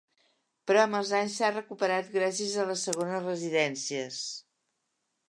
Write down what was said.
Però amb els anys s'ha recuperat gràcies a les segones residències.